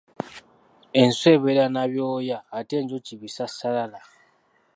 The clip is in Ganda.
Enswa ebeera na byoya ate enjuki bisassalala.